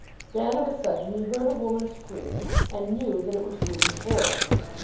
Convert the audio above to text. Then, of a sudden, he heard a woman scream, and knew that it was Ruby's voice.